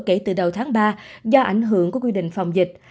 kể từ đầu tháng ba do ảnh hưởng của quy định phòng dịch